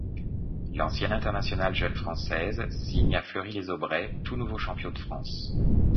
L'ancienne internationale jeunes française signe à Fleury-les-Aubrais, tout nouveau champion de France.